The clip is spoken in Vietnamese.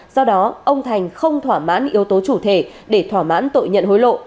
do đó ông thành không thỏa mãn yếu tố chủ thể để thỏa mãn tội nhận hối lộ